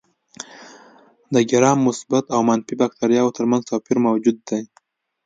د ګرام مثبت او منفي باکتریاوو تر منځ توپیر موجود دی.